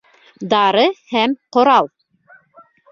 ДАРЫ ҺӘМ ҠОРАЛ